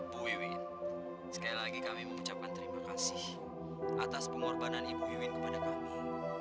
bu iwin sekali lagi kami mengucapkan terima kasih atas pengorbanan ibu iwin kepada kami